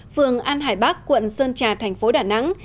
phường an hải bắc quận sơn trà thành phố đà nẵng